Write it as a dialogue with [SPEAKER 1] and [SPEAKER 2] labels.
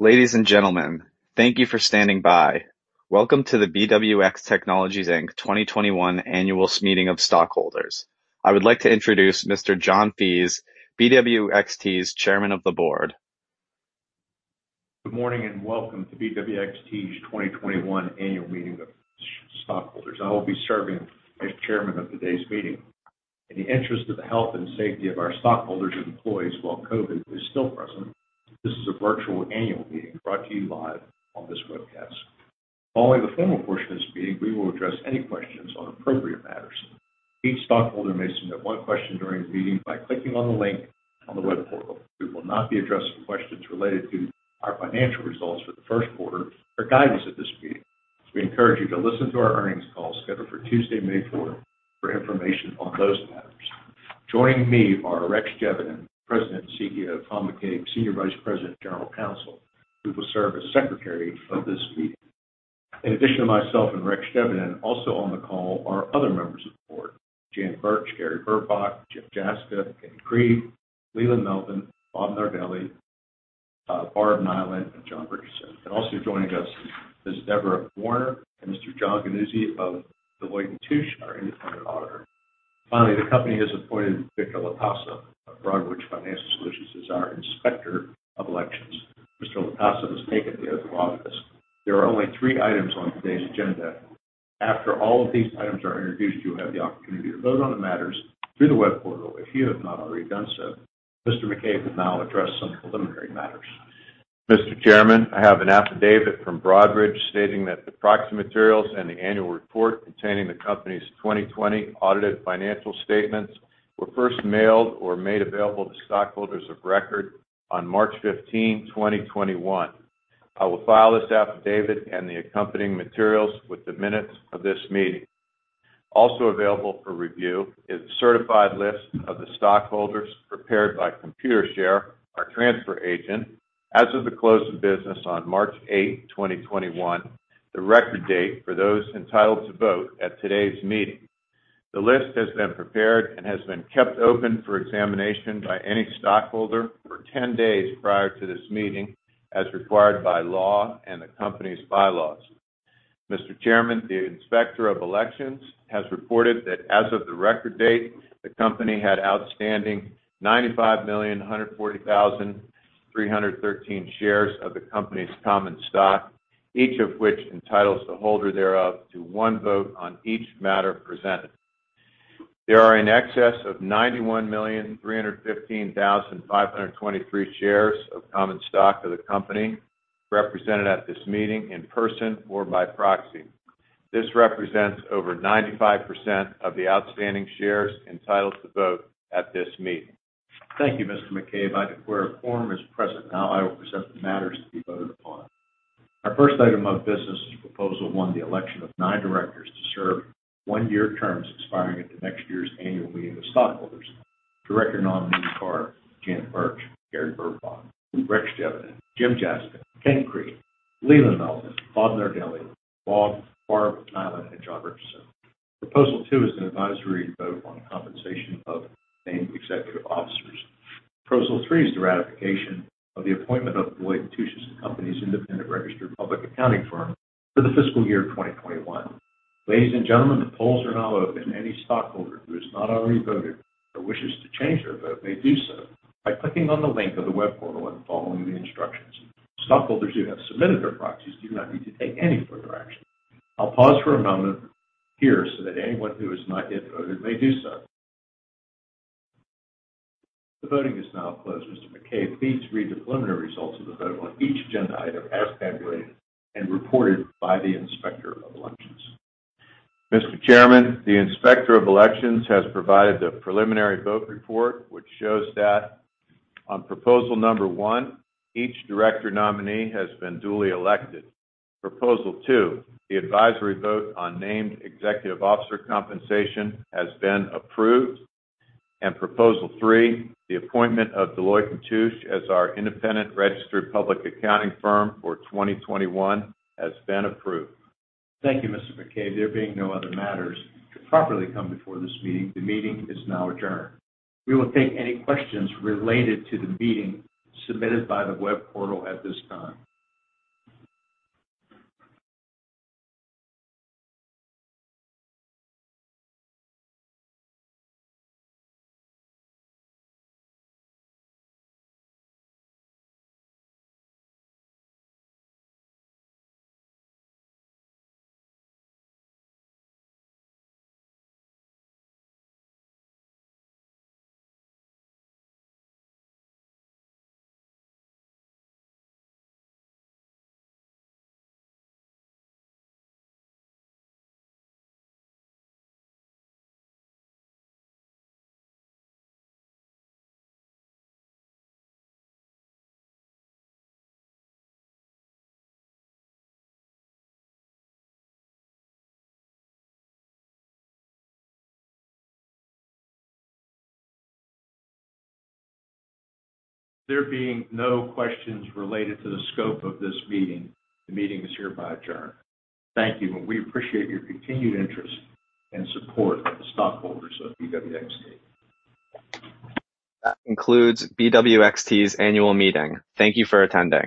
[SPEAKER 1] Ladies and gentlemen, thank you for standing by. Welcome to the BWX Technologies Inc. 2021 Annual Meeting of Stockholders. I would like to introduce Mr. John Fees, BWXT's Chairman of the Board.
[SPEAKER 2] Good morning and welcome to BWXT's 2021 Annual Meeting of Stockholders. I will be serving as chairman of today's meeting. In the interest of the health and safety of our stockholders and employees while COVID is still present, this is a virtual annual meeting brought to you live on this webcast. Following the formal portion of this meeting, we will address any questions on appropriate matters. Each stockholder may submit one question during the meeting by clicking on the link on the web portal. We will not be addressing questions related to our financial results for the first quarter or guidance at this meeting. We encourage you to listen to our earnings call scheduled for Tuesday, May 4, for information on those matters. Joining me are Rex Geveden, President and Chief Executive Officer, Thomas McCabe, Senior Vice President and General Counsel, who will serve as secretary of this meeting. In addition to myself and Rex Geveden, also on the call are other members of the board, Jan Bertsch, Gerhard Burbach, James Jaska, Kenneth Krieg, Leland Melvin, Robert Nardelli, Barbara Niland, and John Richardson. Also joining us is Deborah Warner and Mr. John Giannuzzi of Deloitte & Touche, our independent auditor. Finally, the company has appointed Victor Latasa of Broadridge Financial Solutions as our Inspector of Elections. Mr. Latasa has taken the oath of office. There are only three items on today's agenda. After all of these items are introduced, you will have the opportunity to vote on the matters through the web portal, if you have not already done so. Mr. McCabe will now address some preliminary matters.
[SPEAKER 3] Mr. Chairman, I have an affidavit from Broadridge stating that the proxy materials and the annual report containing the company's 2020 audited financial statements were first mailed or made available to stockholders of record on March 15th, 2021. I will file this affidavit and the accompanying materials with the minutes of this meeting. Also available for review is the certified list of the stockholders prepared by Computershare, our transfer agent, as of the close of business on March 8th, 2021, the record date for those entitled to vote at today's meeting. The list has been prepared and has been kept open for examination by any stockholder for 10 days prior to this meeting, as required by law and the company's bylaws. Mr. Chairman, the Inspector of Elections has reported that as of the record date, the company had outstanding 95 million, 140,313 shares of the company's common stock, each of which entitles the holder thereof to one vote on each matter presented. There are in excess of 91 million, 315,523 shares of common stock of the company represented at this meeting in person or by proxy. This represents over 95% of the outstanding shares entitled to vote at this meeting.
[SPEAKER 2] Thank you, Mr. McCabe. I declare a quorum is present. I will present the matters to be voted upon. Our first item of business is proposal one, the election of nine directors to serve one-year terms expiring at the next year's annual meeting of stockholders. Director nominees are Jan Bertsch, Gerhard Burbach, Rex Geveden, James Jaska, Kenneth Krieg, Leland Melvin, Robert Nardelli, Barbara Niland, and John Richardson. Proposal two is an advisory vote on compensation of named executive officers. Proposal three is the ratification of the appointment of Deloitte & Touche as independent registered public accounting firm for the fiscal year of 2021. Ladies and gentlemen, the polls are now open. Any stockholder who has not already voted or wishes to change their vote may do so by clicking on the link of the web portal and following the instructions. Stockholders who have submitted their proxies do not need to take any further action. I'll pause for a moment here so that anyone who has not yet voted may do so. The voting is now closed. Mr. McCabe, please read the preliminary results of the vote on each agenda item as tabulated and reported by the Inspector of Elections.
[SPEAKER 3] Mr. Chairman, the Inspector of Elections has provided the preliminary vote report, which shows that on proposal number one, each director nominee has been duly elected. Proposal two, the advisory vote on named executive officer compensation, has been approved. Proposal three, the appointment of Deloitte & Touche as our independent registered public accounting firm for 2021, has been approved.
[SPEAKER 2] Thank you, Mr. McCabe. There being no other matters to properly come before this meeting, the meeting is now adjourned. We will take any questions related to the meeting submitted by the web portal at this time. There being no questions related to the scope of this meeting, the meeting is hereby adjourned. Thank you, and we appreciate your continued interest and support of the stockholders of BWXT.
[SPEAKER 1] That concludes BWXT's annual meeting. Thank you for attending.